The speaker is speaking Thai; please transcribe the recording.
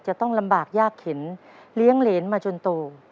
จะต้องลำบากยากเข็นเลี้ยงเหรนมาจนโต